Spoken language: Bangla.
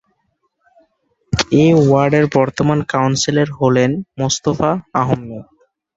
এ ওয়ার্ডের বর্তমান কাউন্সিলর হলেন মোস্তাক আহমেদ।